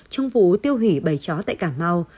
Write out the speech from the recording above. trong vụ tiêu hủy bảy chó tại cà mau